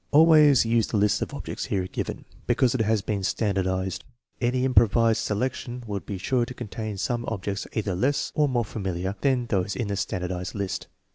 Always use the list of objects here given, because it has been standardized. Any improvised selection would be sure to contain some objects either less or more familiar than those in the standardized list.